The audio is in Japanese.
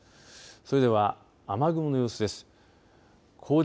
それでは雨雲の様子です。